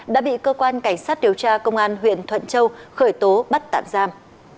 đã bị cơ quan cảnh sát điều tra công an huyện thuận châu khởi tố bắt tạm giam